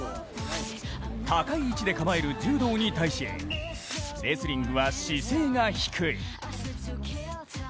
高い位置で構える柔道に対しレスリングは姿勢が低い。